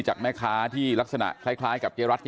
จากแม่ค้าที่ลักษณะคล้ายกับเจ๊รัฐ